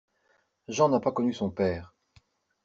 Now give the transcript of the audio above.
Jean n’a pas connu son père.